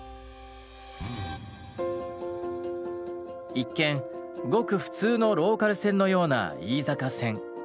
一見ごく普通のローカル線のような飯坂線。